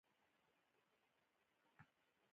په موټر کښې داسې چوپتيا وه.